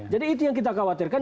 jadi itu yang kita khawatirkan